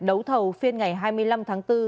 đấu thầu phiên ngày hai mươi năm tháng bốn